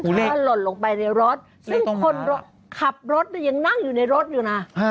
อุ๊ยนี่ถ้าลดลงไปในรถซึ่งคนขับรถยังนั่งอยู่ในรถอยู่นะ